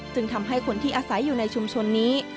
จึงทำให้คนที่อาศัยอยู่ในชุมชนนี้